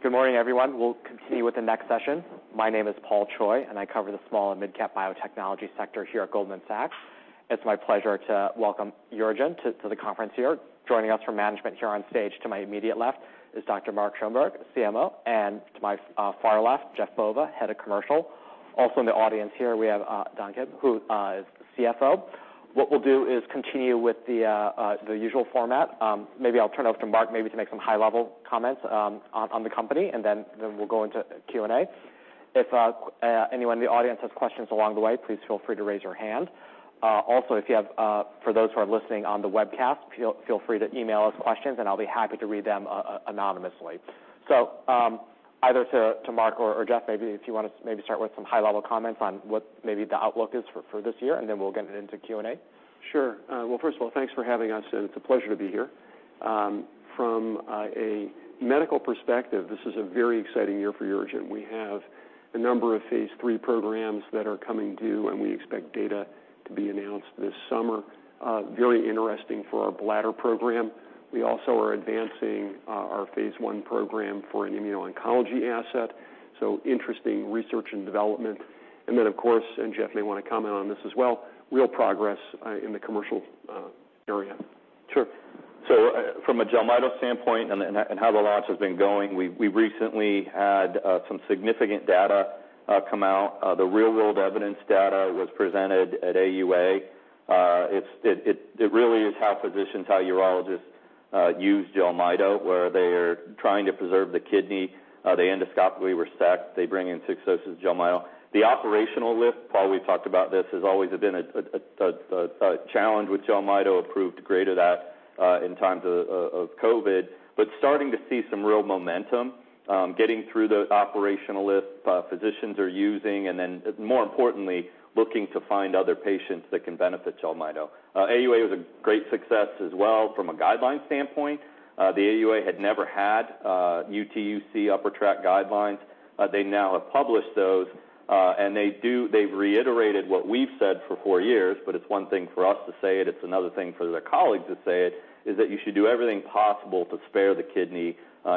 Good morning, everyone. We'll continue with the next session. My name is Paul Choi, I cover the small and midcap biotechnology sector here at Goldman Sachs. It's my pleasure to welcome UroGen to the conference here. Joining us from management here on stage, to my immediate left, is Dr. Mark Schoenberg, CMO, and to my far left, Jeff Bova, Head of Commercial. Also in the audience here, we have Don Kim, who is the CFO. What we'll do is continue with the usual format. Maybe I'll turn it over to Mark, maybe to make some high-level comments on the company, and then we'll go into Q&A. If anyone in the audience has questions along the way, please feel free to raise your hand. If you have, for those who are listening on the webcast, feel free to email us questions, and I'll be happy to read them anonymously. Either to Mark or Jeff, maybe if you want to maybe start with some high-level comments on what maybe the outlook is for this year, we'll get into Q&A. Sure. Well, first of all, thanks for having us, and it's a pleasure to be here. From a medical perspective, this is a very exciting year for UroGen. We have a number of phase III programs that are coming due, and we expect data to be announced this summer. Very interesting for our bladder program. We also are advancing our phase I program for an immuno-oncology asset, so interesting research and development. Then, of course, Jeff may want to comment on this as well, real progress, in the commercial, area. Sure. From a Jelmyto standpoint and how the launch has been going, we recently had some significant data come out. The real world evidence data was presented at AUA. It really is how physicians, how urologists use Jelmyto, where they're trying to preserve the kidney, they endoscopically resect, they bring in six doses of Jelmyto. The operational lift, Paul, we talked about this, has always been a challenge with Jelmyto, improved greater that in times of COVID. Starting to see some real momentum, getting through the operational lift, physicians are using, and then, more importantly, looking to find other patients that can benefit Jelmyto. AUA was a great success as well from a guideline standpoint. The AUA had never had UTUC upper tract guidelines. They now have published those, and they've reiterated what we've said for four years, but it's one thing for us to say it's another thing for their colleagues to say it, is that you should do everything possible to spare the kidney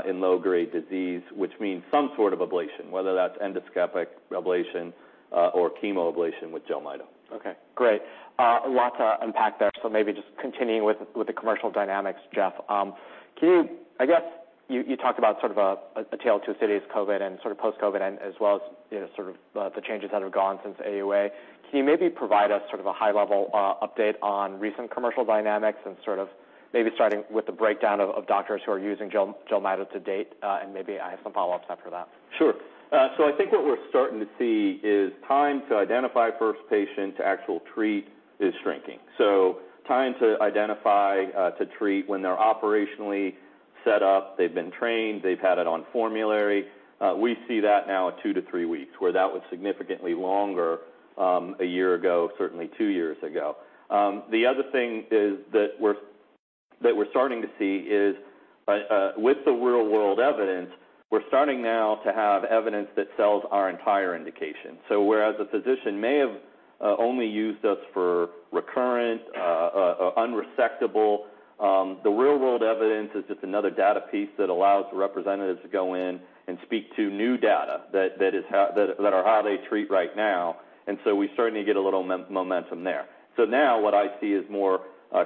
in low-grade disease, which means some sort of ablation, whether that's endoscopic ablation, or chemoablation with Jelmyto. Okay, great. Lots to unpack there, so maybe just continuing with the commercial dynamics, Jeff. I guess you talked about sort of a tale of two cities, COVID and sort of post-COVID, and as well as, you know, sort of the changes that have gone since AUA. Can you maybe provide us sort of a high-level update on recent commercial dynamics and sort of maybe starting with the breakdown of doctors who are using Jelmyto to date, and maybe I have some follow-ups after that? Sure. I think what we're starting to see is time to identify first patient to actual treat is shrinking. Time to identify, to treat when they're operationally set up, they've been trained, they've had it on formulary, we see that now at two-three weeks, where that was significantly longer, one year ago, certainly two years ago. The other thing is that we're starting to see is with the real-world evidence, we're starting now to have evidence that sells our entire indication. Whereas a physician may have only used us for recurrent, unresectable, the real-world evidence is just another data piece that allows the representatives to go in and speak to new data that are how they treat right now. We're starting to get a little momentum there. Now what I see is more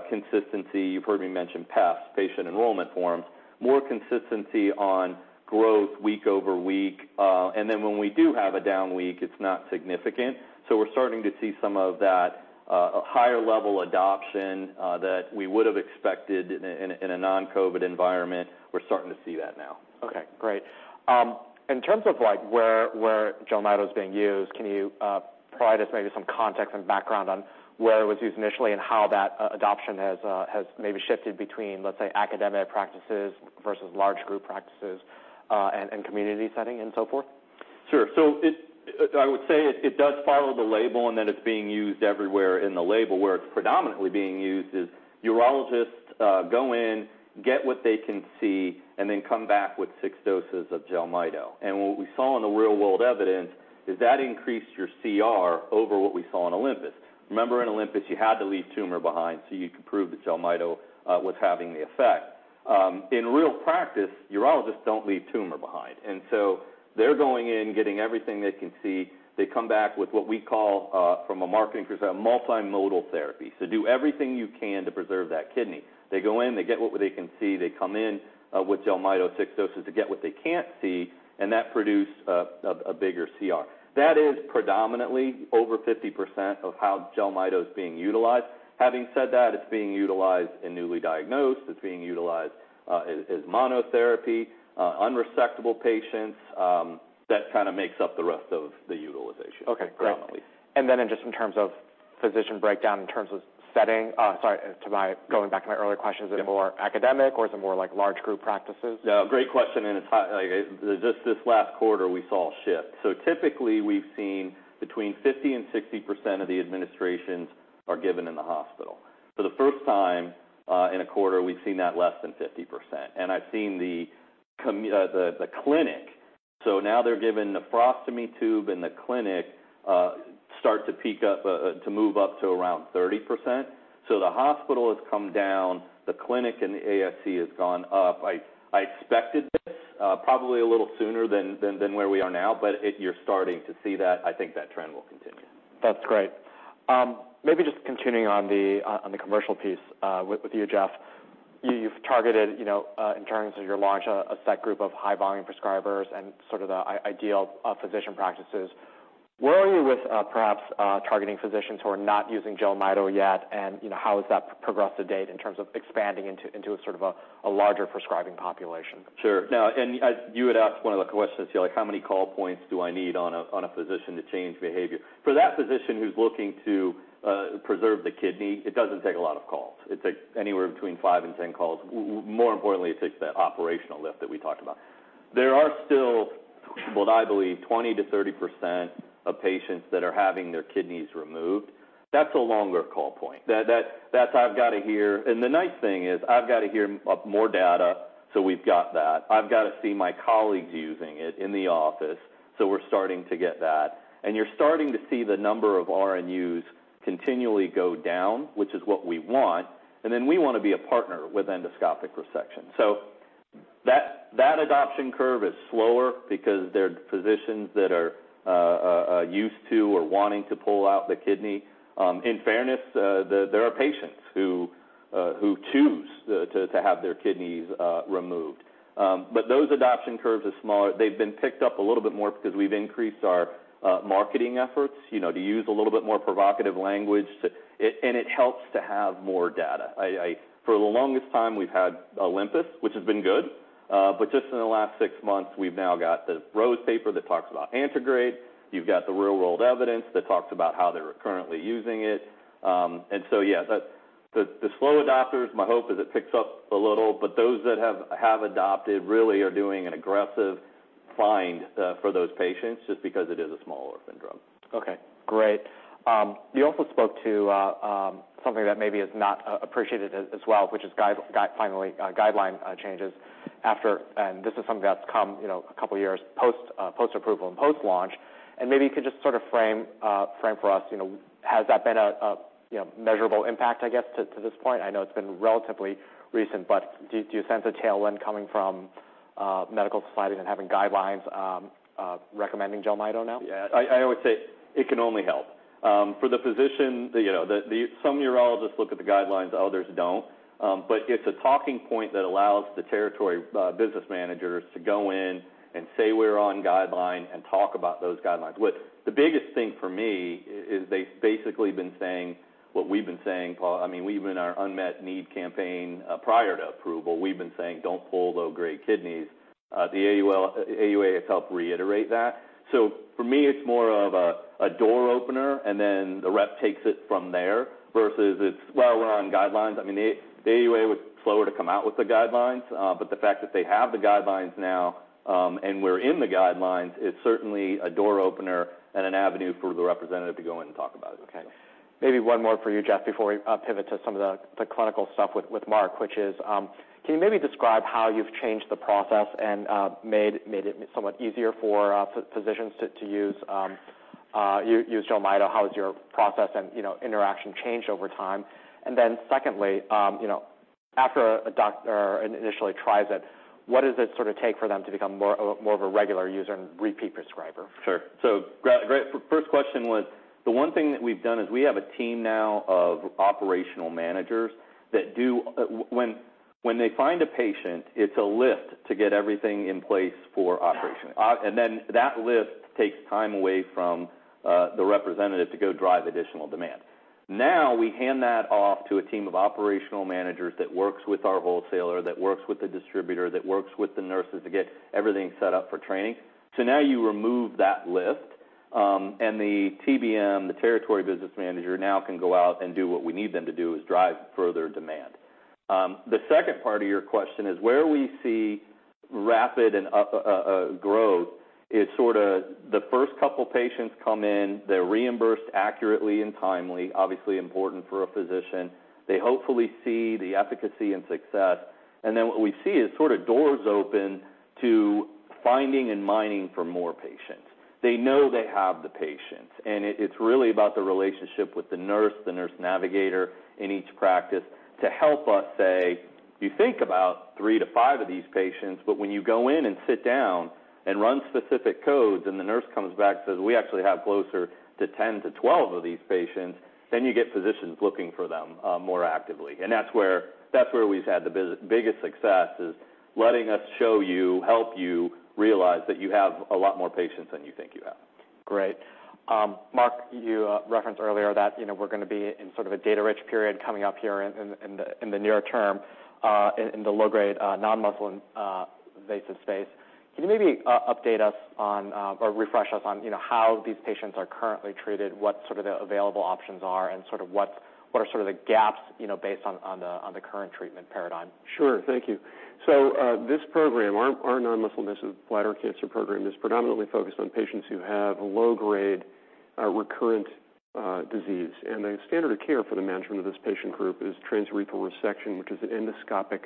consistency. You've heard me mention PEF, patient enrollment forms, more consistency on growth week-over-week. Then when we do have a down week, it's not significant. We're starting to see some of that higher level adoption that we would have expected in a non-COVID environment. We're starting to see that now. Okay, great. In terms of, like, where Jelmyto is being used, can you provide us maybe some context and background on where it was used initially and how that adoption has maybe shifted between, let's say, academic practices versus large group practices, and community setting and so forth? Sure. I would say it does follow the label and that it's being used everywhere in the label. Where it's predominantly being used is urologists go in, get what they can see, and then come back with six doses of Jelmyto. What we saw in the real-world evidence is that increased your CR over what we saw in OLYMPUS. Remember, in OLYMPUS, you had to leave tumor behind so you could prove that Jelmyto was having the effect. In real practice, urologists don't leave tumor behind, they're going in, getting everything they can see. They come back with what we call, from a marketing perspective, multimodal therapy. Do everything you can to preserve that kidney. They go in, they get what they can see, they come in with Jelmyto six doses to get what they can't see. That produced a bigger CR. That is predominantly over 50% of how Jelmyto is being utilized. Having said that, it's being utilized in newly diagnosed, it's being utilized as monotherapy, unresectable patients, that kind of makes up the rest of the utilization. Okay, great. Primarily. In terms of physician breakdown, in terms of setting... Sorry, going back to my earlier questions. Yep. Is it more academic, or is it more like large group practices? Great question, like, just this last quarter, we saw a shift. Typically, we've seen between 50% and 60% of the administrations are given in the hospital. For the first time, in a quarter, we've seen that less than 50%, I've seen the clinic now they're given nephrostomy tube in the clinic, start to peak up, to move up to around 30%. The hospital has come down, the clinic and the ASC has gone up. I expected this, probably a little sooner than where we are now, you're starting to see that. I think that trend will continue. That's great. Maybe just continuing on the commercial piece, with you, Jeff. You've targeted, you know, in terms of your launch, a set group of high-volume prescribers and sort of the ideal physician practices. Where are you with, perhaps, targeting physicians who are not using Jelmyto yet? You know, how has that progressed to date in terms of expanding into a sort of a larger prescribing population? Sure. Now, as you had asked one of the questions here, like, how many call points do I need on a physician to change behavior? For that physician who's looking to preserve the kidney, it doesn't take a lot of calls. It takes anywhere between five and 10 calls. More importantly, it takes that operational lift that we talked about. There are still, what I believe, 20%-30% of patients that are having their kidneys removed. That's a longer call point. That I've got to hear. The nice thing is, I've got to hear more data, so we've got that. I've got to see my colleagues using it in the office, so we're starting to get that. You're starting to see the number of RNUs continually go down, which is what we want, and then we want to be a partner with endoscopic resection. That adoption curve is slower because they're physicians that are used to or wanting to pull out the kidney. In fairness, there are patients who choose to have their kidneys removed. Those adoption curves are smaller. They've been picked up a little bit more because we've increased our marketing efforts, you know, to use a little bit more provocative language to... It helps to have more data. I for the longest time, we've had OLYMPUS, which has been good, but just in the last six months, we've now got the Rose paper that talks about antegrade. You've got the real-world evidence that talks about how they were currently using it. Yeah, that the slow adopters, my hope is it picks up a little, but those that have adopted really are doing an aggressive find for those patients just because it is a smaller syndrome. Okay, great. You also spoke to something that maybe is not appreciated as well, which is finally guideline changes after. This is something that's come, you know, a couple of years post-approval and post-launch. Maybe you could just sort of frame for us, you know, has that been a measurable impact, I guess, to this point? I know it's been relatively recent, but do you sense a tailwind coming from medical societies and having guidelines recommending Jelmyto now? I would say it can only help. For the physician, you know, some urologists look at the guidelines, others don't. It's a talking point that allows the territory business managers to go in and say, "We're on guideline," and talk about those guidelines. The biggest thing for me is they've basically been saying what we've been saying, Paul. I mean, we've, in our unmet need campaign, prior to approval, we've been saying, "Don't pull low-grade kidneys." The AUA has helped reiterate that. For me, it's more of a door opener, and then the rep takes it from there versus it's, "Well, we're on guidelines." I mean, the AUA was slower to come out with the guidelines, but the fact that they have the guidelines now, and we're in the guidelines, is certainly a door opener and an avenue for the representative to go in and talk about it. Okay. Maybe one more for you, Jeff, before we pivot to some of the clinical stuff with Mark, which is, can you maybe describe how you've changed the process and made it somewhat easier for physicians to use Jelmyto? How has your process and, you know, interaction changed over time? Secondly, you know, after a doctor initially tries it, what does it sort of take for them to become more, more of a regular user and repeat prescriber? Sure. Great. First question was, the one thing that we've done is we have a team now of operational managers that do. When they find a patient, it's a lift to get everything in place for operation. Then that lift takes time away from the representative to go drive additional demand. Now, we hand that off to a team of operational managers that works with our wholesaler, that works with the distributor, that works with the nurses to get everything set up for training. Now you remove that lift, and the TBM, the territory business manager, now can go out and do what we need them to do, is drive further demand. The second part of your question is where we see rapid and growth is sort of the first couple patients come in, they're reimbursed accurately and timely, obviously important for a physician. They hopefully see the efficacy and success. What we see is sort of doors open to finding and mining for more patients. They know they have the patients. It's really about the relationship with the nurse, the nurse navigator in each practice, to help us say, "You think about three to five of these patients." When you go in and sit down and run specific codes, the nurse comes back and says, "We actually have closer to 10 to 12 of these patients." You get physicians looking for them more actively. That's where, that's where we've had the biggest success, is letting us show you, help you realize that you have a lot more patients than you think you have. Great. Mark, you referenced earlier that, you know, we're going to be in sort of a data-rich period coming up here in the, in the near term, in the low-grade, non-muscle, invasive space. Can you maybe update us on, or refresh us on, you know, how these patients are currently treated, what sort of the available options are, and sort of what are sort of the gaps, you know, based on the, on the current treatment paradigm? Thank you. This program, our non-muscle invasive bladder cancer program, is predominantly focused on patients who have low-grade our recurrent disease. The standard of care for the management of this patient group is transurethral resection, which is an endoscopic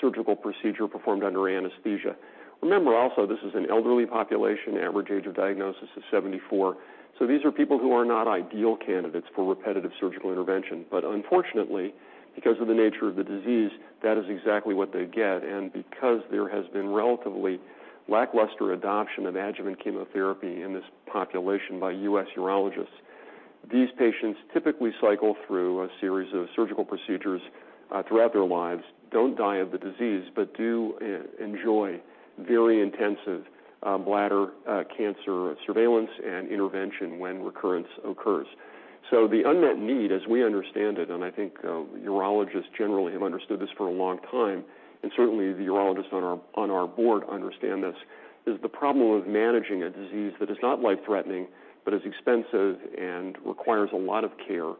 surgical procedure performed under anesthesia. Remember, also, this is an elderly population. Average age of diagnosis is 74. These are people who are not ideal candidates for repetitive surgical intervention, but unfortunately, because of the nature of the disease, that is exactly what they get. Because there has been relatively lackluster adoption of adjuvant chemotherapy in this population by U.S. urologists, these patients typically cycle through a series of surgical procedures throughout their lives, don't die of the disease, but do enjoy very intensive bladder cancer surveillance and intervention when recurrence occurs. The unmet need, as we understand it, and I think urologists generally have understood this for a long time, and certainly the urologists on our board understand this, is the problem with managing a disease that is not life-threatening, but is expensive and requires a lot of care.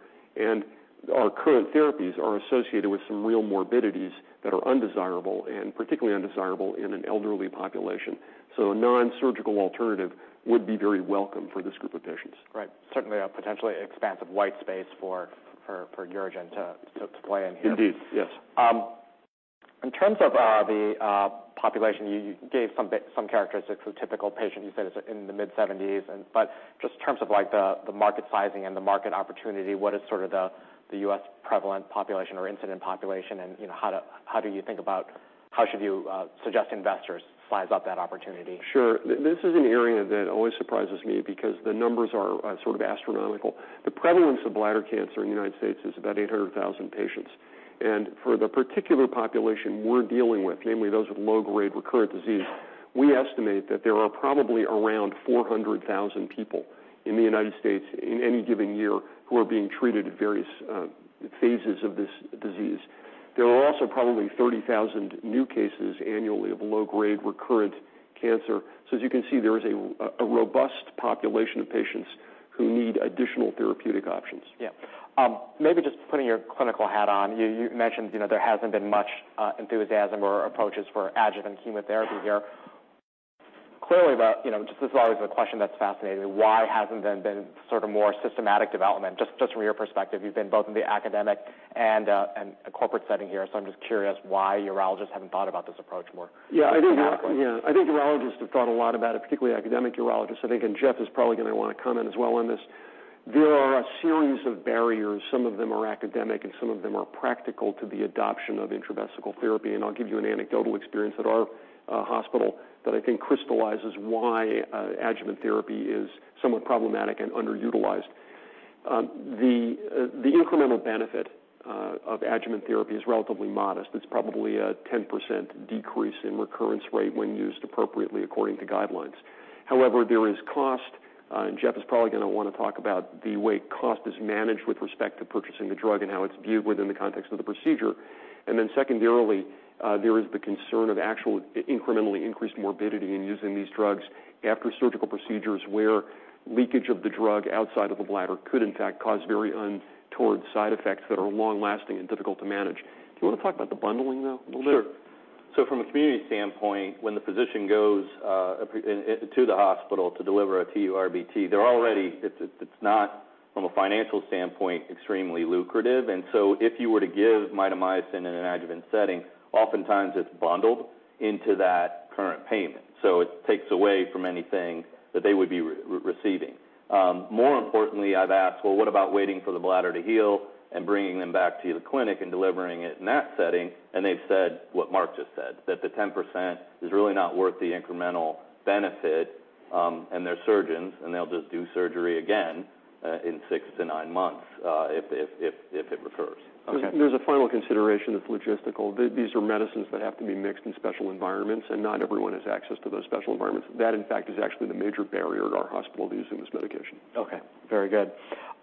Our current therapies are associated with some real morbidities that are undesirable, and particularly undesirable in an elderly population. A non-surgical alternative would be very welcome for this group of patients. Right. Certainly, a potentially expansive white space for UroGen to play in here. Indeed, yes. In terms of the population, you gave some characteristics of the typical patient. You said it's in the mid-70s and... Just in terms of, like, the market sizing and the market opportunity, what is sort of the U.S. prevalent population or incident population? You know, how should you suggest investors size up that opportunity? Sure. This is an area that always surprises me because the numbers are sort of astronomical. The prevalence of bladder cancer in the United States is about 800,000 patients. For the particular population we're dealing with, namely those with low-grade recurrent disease, we estimate that there are probably around 400,000 people in the United States in any given year who are being treated at various phases of this disease. There are also probably 30,000 new cases annually of low-grade recurrent cancer. As you can see, there is a robust population of patients who need additional therapeutic options. Yeah. Maybe just putting your clinical hat on, you mentioned, you know, there hasn't been much enthusiasm or approaches for adjuvant chemotherapy here. Clearly, the, you know, just this is always a question that's fascinating. Why hasn't there been sort of more systematic development? Just from your perspective, you've been both in the academic and a corporate setting here, so I'm just curious why urologists haven't thought about this approach more? Yeah, I think- Mathematically. Yeah. I think urologists have thought a lot about it, particularly academic urologists, I think, and Jeff is probably going to want to comment as well on this. There are a series of barriers. Some of them are academic, and some of them are practical to the adoption of intravesical therapy. I'll give you an anecdotal experience at our hospital that I think crystallizes why adjuvant therapy is somewhat problematic and underutilized. The incremental benefit of adjuvant therapy is relatively modest. It's probably a 10% decrease in recurrence rate when used appropriately according to guidelines. However, there is cost, Jeff is probably going to want to talk about the way cost is managed with respect to purchasing the drug and how it's viewed within the context of the procedure. Secondarily, there is the concern of actual incrementally increased morbidity in using these drugs after surgical procedures, where leakage of the drug outside of the bladder could, in fact, cause very untoward side effects that are long-lasting and difficult to manage. Do you want to talk about the bundling, though, a little bit? Sure. From a community standpoint, when the physician goes into the hospital to deliver a TURBT, they're already... It's, it's not, from a financial standpoint, extremely lucrative. If you were to give mitomycin in an adjuvant setting, oftentimes it's bundled into that current payment, so it takes away from anything that they would be receiving. More importantly, I've asked: Well, what about waiting for the bladder to heal and bringing them back to the clinic and delivering it in that setting? They've said what Mark just said, that the 10% is really not worth the incremental benefit, and they're surgeons, and they'll just do surgery again, in six to nine months, if it recurs. Okay. There's a final consideration that's logistical. These are medicines that have to be mixed in special environments, and not everyone has access to those special environments. That, in fact, is actually the major barrier at our hospital to using this medication. Okay, very good.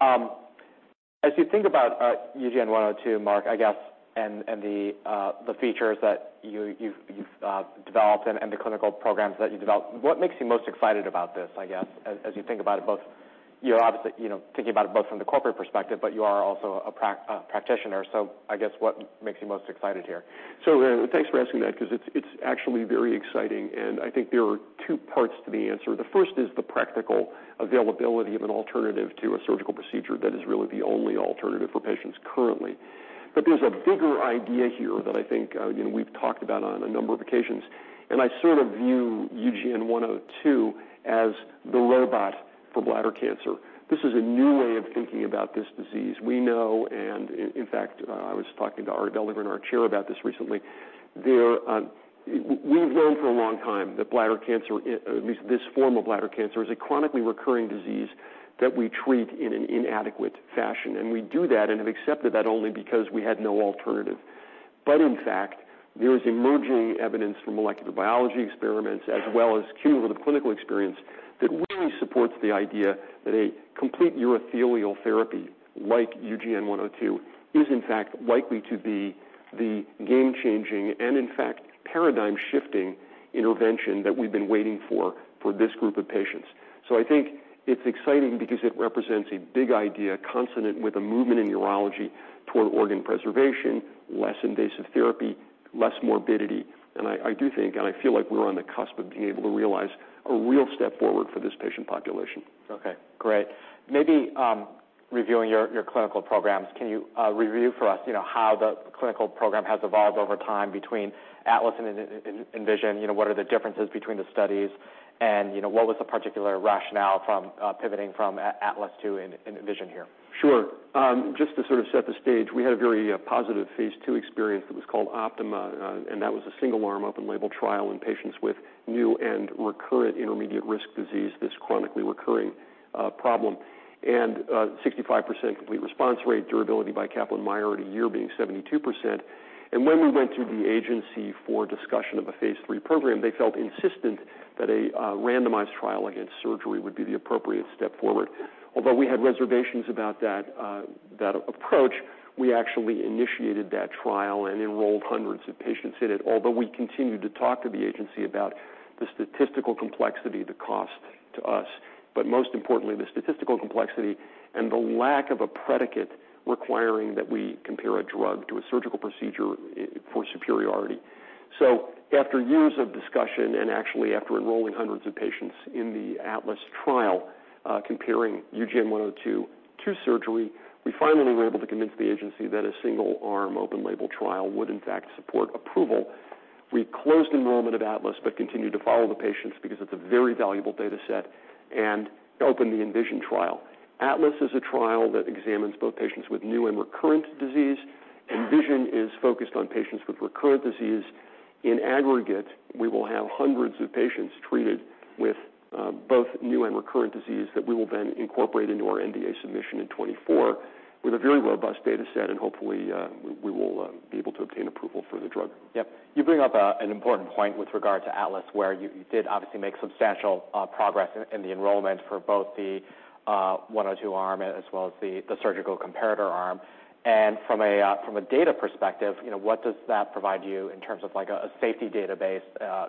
As you think about UGN-102, Mark, I guess, and the features that you've developed and the clinical programs that you developed, what makes you most excited about this, I guess, as you think about it, you're obviously, you know, thinking about it both from the corporate perspective, you are also a practitioner, I guess, what makes you most excited here? Thanks for asking that because it's actually very exciting, and I think there are two parts to the answer. The first is the practical availability of an alternative to a surgical procedure that is really the only alternative for patients currently. There's a bigger idea here that I think, you know, we've talked about on a number of occasions, and I sort of view UGN-102 as the robot for bladder cancer. This is a new way of thinking about this disease. We know, and in fact, I was talking to Arie Belldegrun, our chair, about this recently. There, we've known for a long time that bladder cancer, at least this form of bladder cancer, is a chronically recurring disease that we treat in an inadequate fashion, and we do that and have accepted that only because we had no alternative. In fact, there is emerging evidence from molecular biology experiments, as well as cumulative clinical experience, that really supports the idea that a complete urothelial therapy, like UGN-102, is in fact likely to be the game-changing and, in fact, paradigm-shifting intervention that we've been waiting for this group of patients. I think it's exciting because it represents a big idea, consonant with a movement in urology toward organ preservation, less invasive therapy, less morbidity. I do think and I feel like we're on the cusp of being able to realize a real step forward for this patient population. Okay, great. Maybe, reviewing your clinical programs, can you review for us, you know, how the clinical program has evolved over time between ATLAS and ENVISION? You know, what are the differences between the studies and, you know, what was the particular rationale from pivoting from ATLAS to ENVISION here? Sure. Just to sort of set the stage, we had a very positive phase II experience that was called OPTIMA, and that was a single-arm open label trial in patients with new and recurrent intermediate risk disease, this chronically recurring problem. 65% complete response rate, durability by Kaplan-Meier at a year being 72%. When we went to the agency for discussion of a phase III program, they felt insistent that a randomized trial against surgery would be the appropriate step forward. Although we had reservations about that approach, we actually initiated that trial and enrolled hundreds of patients in it, although we continued to talk to the agency about the statistical complexity, the cost to us. Most importantly, the statistical complexity and the lack of a predicate requiring that we compare a drug to a surgical procedure for superiority. After years of discussion, and actually after enrolling hundreds of patients in the ATLAS trial, comparing UGN-102 to surgery, we finally were able to convince the agency that a single-arm open label trial would in fact support approval. We closed enrollment of ATLAS, continued to follow the patients because it's a very valuable data set, and opened the ENVISION trial. ATLAS is a trial that examines both patients with new and recurrent disease, ENVISION is focused on patients with recurrent disease. In aggregate, we will have hundreds of patients treated with both new and recurrent disease, that we will then incorporate into our NDA submission in 2024, with a very robust data set, and hopefully, we will be able to obtain approval for the drug. Yep. You bring up an important point with regard to ATLAS, where you did obviously make substantial progress in the enrollment for both the UGN-102 arm, as well as the surgical comparator arm. From a data perspective, you know, what does that provide you in terms of, like, a safety database?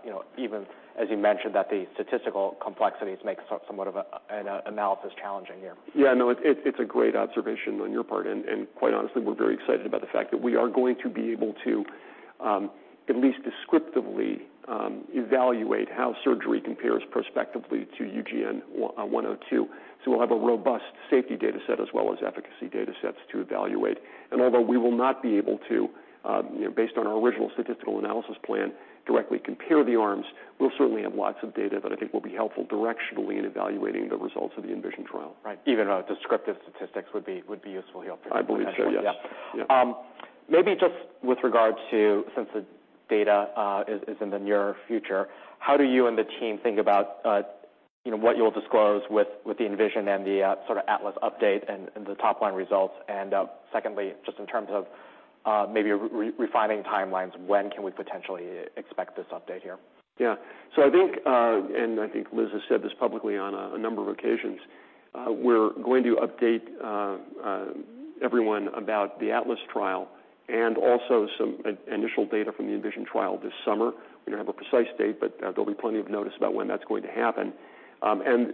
You know, even as you mentioned, that the statistical complexities make somewhat of an analysis challenging here. Yeah, no, it's a great observation on your part, and quite honestly, we're very excited about the fact that we are going to be able to, at least descriptively, evaluate how surgery compares prospectively to UGN-102. We'll have a robust safety data set as well as efficacy data sets to evaluate. Although we will not be able to, you know, based on our original statistical analysis plan, directly compare the arms, we'll certainly have lots of data that I think will be helpful directionally in evaluating the results of the ENVISION trial. Right. Even a descriptive statistics would be useful here. I believe so, yes. Yeah. Yeah. Maybe just with regard to, since the data is in the near future, how do you and the team think about, you know, what you'll disclose with the ENVISION and the sort of ATLAS update and the top line results? Secondly, just in terms of refining timelines, when can we potentially expect this update here? Yeah. I think, and I think Liz has said this publicly on a number of occasions, we're going to update everyone about the ATLAS trial and also some initial data from the ENVISION trial this summer. We don't have a precise date, but there'll be plenty of notice about when that's going to happen.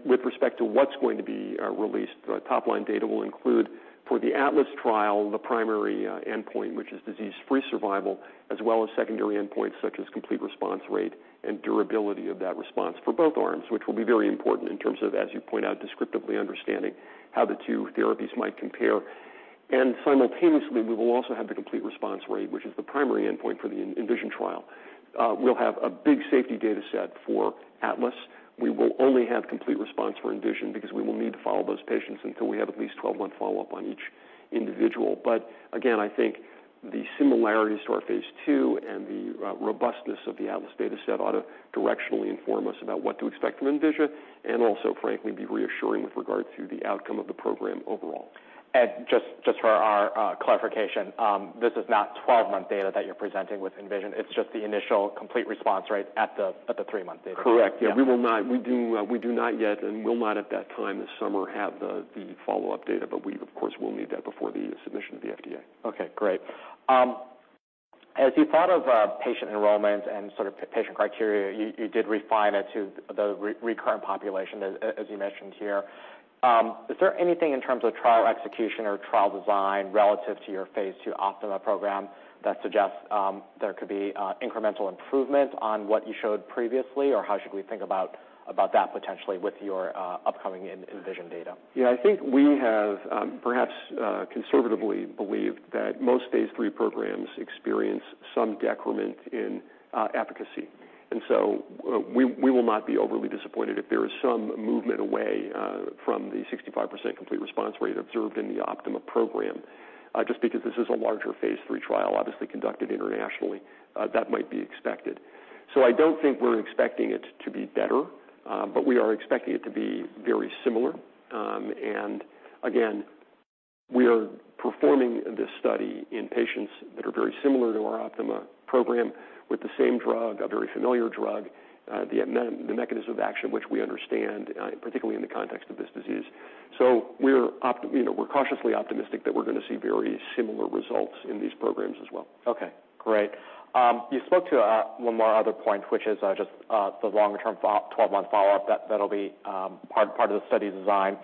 With respect to what's going to be released, the top line data will include, for the ATLAS trial, the primary endpoint, which is disease-free survival, as well as secondary endpoints, such as complete response rate and durability of that response for both arms, which will be very important in terms of, as you point out, descriptively understanding how the two therapies might compare. Simultaneously, we will also have the complete response rate, which is the primary endpoint for the ENVISION trial. We'll have a big safety data set for ATLAS. We will only have complete response for ENVISION because we will need to follow those patients until we have at least 12-month follow-up on each individual. Again, I think the similarities to our phase II and the robustness of the ATLAS data set ought to directionally inform us about what to expect from ENVISION, and also, frankly, be reassuring with regard to the outcome of the program overall. Just for our clarification, this is not 12-month data that you're presenting with ENVISION, it's just the initial complete response, right, at the three-month data? Correct. Yeah. We do, we do not yet, and will not at that time this summer, have the follow-up data, but we, of course, will need that before the submission to the FDA. Okay, great. As you thought of patient enrollment and sort of patient criteria, you did refine it to the recurrent population as you mentioned here. Is there anything in terms of trial execution or trial design relative to your phase II OPTIMA program, that suggests there could be incremental improvement on what you showed previously? How should we think about that potentially with your upcoming ENVISION data? I think we have, perhaps, conservatively believed that most phase III programs experience some decrement in efficacy. We will not be overly disappointed if there is some movement away from the 65% complete response rate observed in the OPTIMA program. Just because this is a larger phase III trial, obviously conducted internationally, that might be expected. I don't think we're expecting it to be better, but we are expecting it to be very similar. Again, we are performing this study in patients that are very similar to our OPTIMA program with the same drug, a very familiar drug, the mechanism of action, which we understand, particularly in the context of this disease. We're you know, we're cautiously optimistic that we're going to see very similar results in the. these programs as well. Okay, great. You spoke to one more other point, which is just the longer term follow, 12-month follow-up, that'll be part of the study design.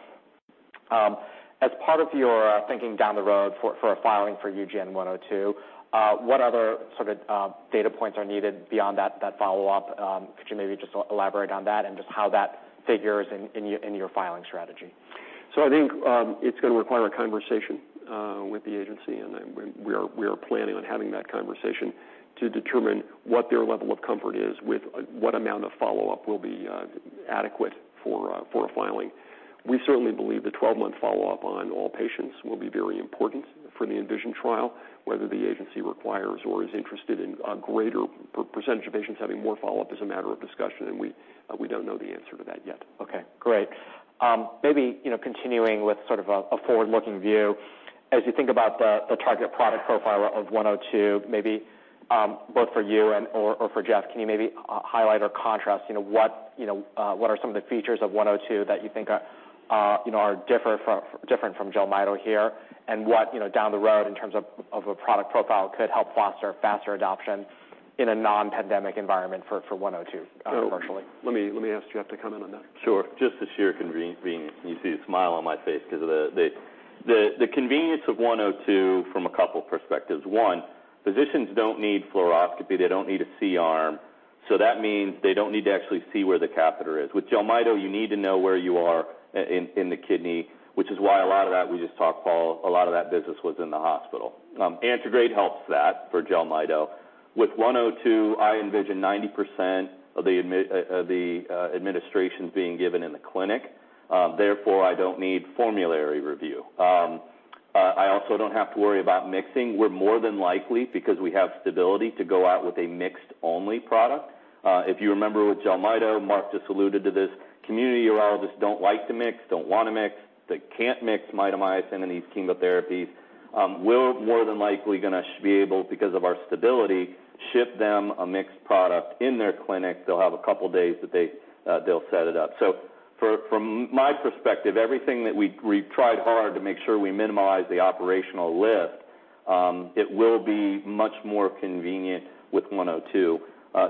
As part of your thinking down the road for a filing for UGN-102, what other sort of data points are needed beyond that follow-up? Could you maybe just elaborate on that and just how that figures in your filing strategy? I think it's going to require a conversation with the agency, and then we are planning on having that conversation to determine what their level of comfort is with what amount of follow-up will be adequate for a filing. We certainly believe the 12-month follow-up on all patients will be very important for the ENVISION trial. Whether the agency requires or is interested in a greater per-percentage of patients having more follow-up is a matter of discussion, and we don't know the answer to that yet. Okay, great. maybe, you know, continuing with sort of a forward-looking view, as you think about the target product profile of 102, maybe, both for you and/or for Jeff, can you maybe highlight or contrast, you know, what, you know, what are some of the features of 102 that you think are, you know, are different from, different from Jelmyto here? What, you know, down the road, in terms of a product profile, could help foster faster adoption in a non-pandemic environment for 102, commercially? let me ask Jeff Bova to comment on that. Sure. Just the sheer convenience, you see a smile on my face because of the convenience of 102 from a couple perspectives. One, physicians don't need fluoroscopy, they don't need a C-arm, so that means they don't need to actually see where the catheter is. With Jelmyto, you need to know where you are in the kidney, which is why a lot of that, we just talked, Paul, a lot of that business was in the hospital. Antegrade helps that for Jelmyto. With 102, I envision 90% of the administration being given in the clinic, therefore, I don't need formulary review. I also don't have to worry about mixing. We're more than likely, because we have stability, to go out with a mixed-only product. If you remember with Jelmyto, Mark just alluded to this, community urologists don't like to mix, don't want to mix, they can't mix mitomycin and these chemotherapies. We're more than likely going to be able, because of our stability, ship them a mixed product in their clinic. They'll have a couple of days that they'll set it up. From my perspective, everything that we've tried hard to make sure we minimize the operational lift, it will be much more convenient with 102.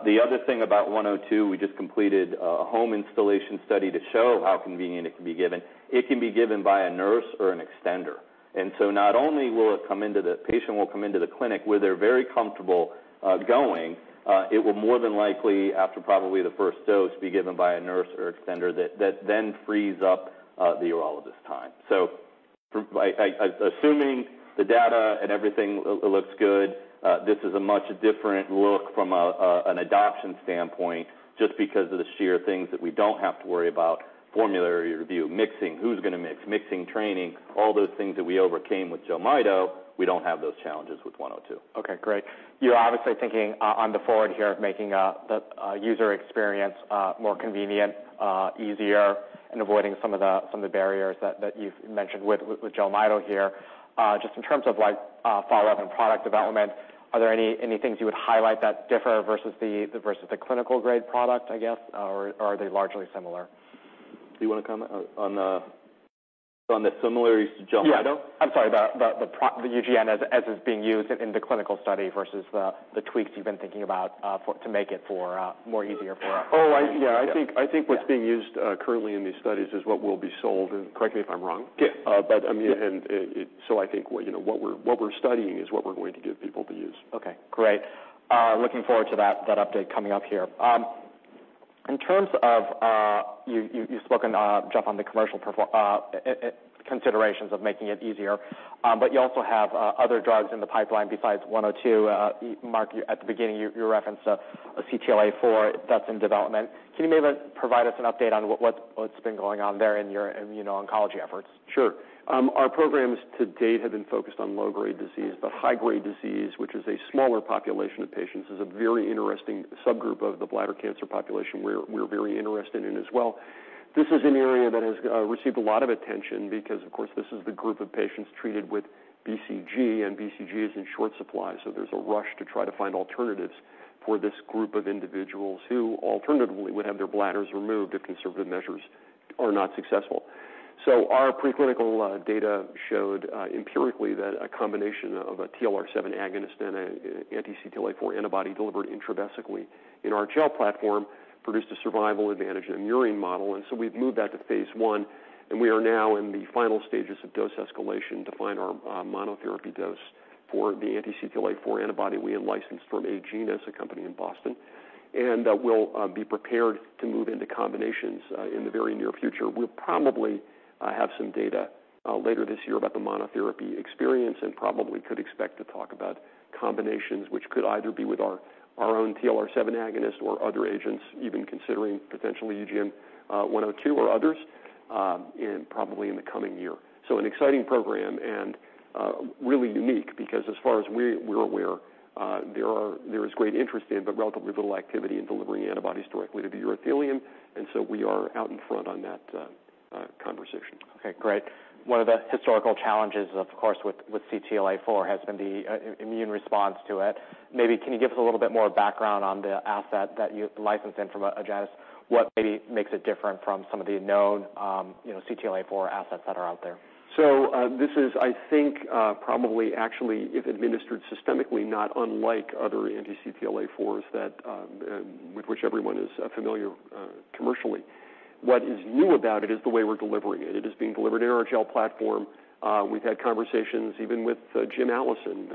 The other thing about 102, we just completed a home installation study to show how convenient it can be given. It can be given by a nurse or an extender. Not only will it come into the... patient will come into the clinic, where they're very comfortable, going, it will more than likely, after probably the first dose, be given by a nurse or extender that then frees up the urologist's time. From, I, assuming the data and everything looks good, this is a much different look from an adoption standpoint, just because of the sheer things that we don't have to worry about: formulary review, mixing, who's going to mix, mixing training, all those things that we overcame with Jelmyto, we don't have those challenges with 102. Okay, great. You're obviously thinking, on the forward here, making a user experience, more convenient, easier, and avoiding some of the barriers that you've mentioned with Jelmyto here. Just in terms of, like, follow-up and product development, are there any things you would highlight that differ versus the clinical-grade product, I guess? Are they largely similar? Do you want to comment on the similarities to Jelmyto? Yeah. I'm sorry, the UGN as it's being used in the clinical study versus the tweaks you've been thinking about, for, to make it for, more easier for us. Oh, I... Yeah, I think, I think what's being used, currently in these studies is what will be sold, and correct me if I'm wrong. Yeah. I mean, it, I think what, you know, what we're studying is what we're going to give people to use. Okay, great. looking forward to that update coming up here. In terms of you've spoken Jeff, on the commercial considerations of making it easier, but you also have other drugs in the pipeline besides 102. Mark, at the beginning, you referenced a CTLA-4 that's in development. Can you maybe provide us an update on what's been going on there in your immuno-oncology efforts? Sure. Our programs to date have been focused on low-grade disease, but high-grade disease, which is a smaller population of patients, is a very interesting subgroup of the bladder cancer population we're very interested in as well. This is an area that has received a lot of attention because, of course, this is the group of patients treated with BCG, and BCG is in short supply, so there's a rush to try to find alternatives for this group of individuals who alternatively would have their bladders removed if conservative measures are not successful. Our preclinical data showed empirically that a combination of a TLR7 agonist and a anti-CTLA-4 antibody delivered intravesically in our gel platform produced a survival advantage in a murine model. We've moved that to phase I, and we are now in the final stages of dose escalation to find our monotherapy dose for the anti-CTLA-4 antibody we had licensed from Agenus, a company in Boston. We'll be prepared to move into combinations in the very near future. We'll probably have some data later this year about the monotherapy experience and probably could expect to talk about combinations, which could either be with our own TLR7 agonist or other agents, even considering potentially UGN-102 or others in probably in the coming year. An exciting program and, really unique because as far as we're aware, there is great interest in, but relatively little activity in delivering antibodies directly to the urothelium. We are out in front on that opportunity. Conversation. Okay, great. One of the historical challenges, of course, with CTLA-4 has been the immune response to it. Maybe can you give us a little bit more background on the asset that you licensed in from Agenus? What maybe makes it different from some of the known, you know, CTLA-4 assets that are out there? This is, I think, probably actually, if administered systemically, not unlike other anti-CTLA-4s that with which everyone is familiar commercially. What is new about it is the way we're delivering it. It is being delivered in our RTGel platform. We've had conversations even with Jim Allison,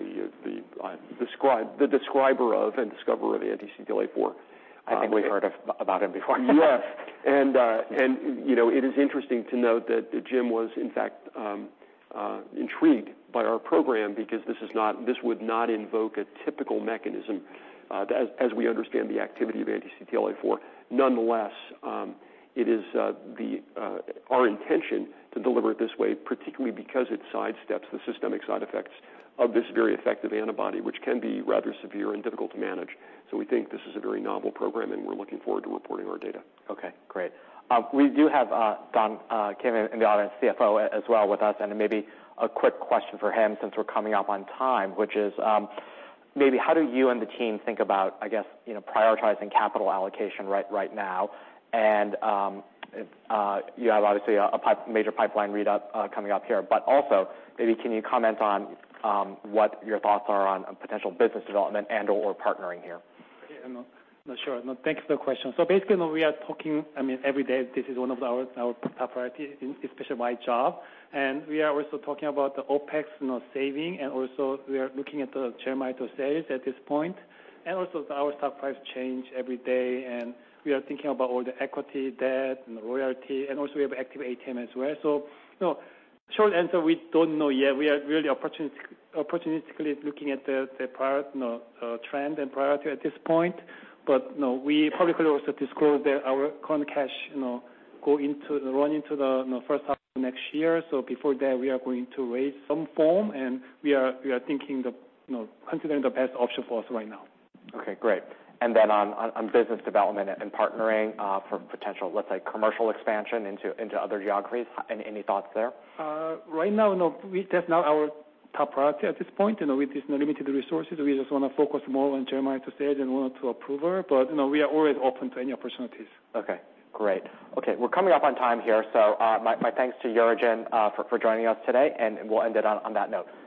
the describer of and discoverer of anti-CTLA-4. I think we've heard of, about him before. Yes. You know, it is interesting to note that Jim Allison was, in fact, intrigued by our program because this would not invoke a typical mechanism as we understand the activity of anti-CTLA-4. Nonetheless, it is our intention to deliver it this way, particularly because it sidesteps the systemic side effects of this very effective antibody, which can be rather severe and difficult to manage. We think this is a very novel program, and we're looking forward to reporting our data. Okay, great. We do have Don Kim in the audience, CFO, as well with us. Maybe a quick question for him since we're coming up on time, which is, maybe how do you and the team think about, I guess, you know, prioritizing capital allocation right now? You have, obviously, a major pipeline read up, coming up here, but also, maybe can you comment on, what your thoughts are on potential business development and/or partnering here? Yeah, sure. Thank you for the question. Basically, you know, we are talking, I mean, every day, this is one of our top priorities, especially my job. We are also talking about the OpEx, you know, saving, and also we are looking at the Jelmyto sales at this point, and also our top price change every day, and we are thinking about all the equity, debt, and royalty, and also we have active ATM as well. You know, short answer, we don't know yet. We are really opportunistically looking at the prior, you know, trend and priority at this point. You know, we publicly also disclosed that our current cash, you know, run into the, you know, H1 of next year. Before that, we are going to raise some form, and we are thinking the, you know, considering the best option for us right now. Okay, great. On business development and partnering, for potential, let's say, commercial expansion into other geographies, any thoughts there? Right now, no, that's not our top priority at this point. You know, it is limited resources. We just want to focus more on Jelmyto to stage and want to approve her. You know, we are always open to any opportunities. Okay, great. Okay, we're coming up on time here. My thanks to UroGen for joining us today. We'll end it on that note.